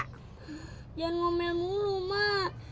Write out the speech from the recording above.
jangan ngomel mulu mak